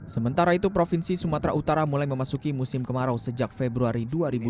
sementara itu provinsi sumatera utara mulai memasuki musim kemarau sejak februari dua ribu dua puluh